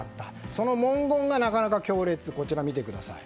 その文言が、なかなか強烈です。